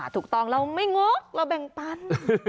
ถูกต้องเราไม่งกเราแบ่งปัน